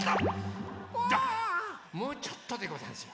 もうちょっとでござんすよ。